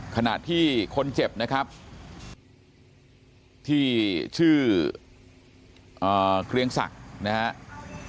ขณะที่คนเจ็บนะครับที่ชื่อเกรียงศักดิ์นะครับ